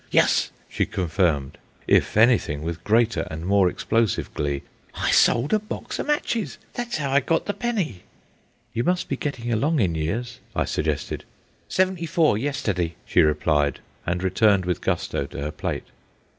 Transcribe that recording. Yus," she confirmed, if anything with greater and more explosive glee. "Hi sold a box o' matches! That's 'ow Hi got the penny." "You must be getting along in years," I suggested. "Seventy four yesterday," she replied, and returned with gusto to her plate.